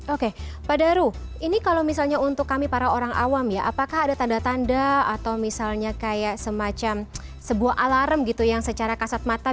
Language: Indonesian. oke pak daru ini kalau misalnya untuk kami para orang awam ya apakah ada tanda tanda atau misalnya kayak semacam sebuah alarm gitu yang secara kasat mata